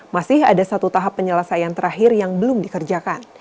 masih ada satu tahap penyelesaian terakhir yang belum dikerjakan